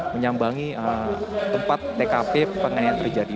menyambangi tempat tkp pengennya yang terjadi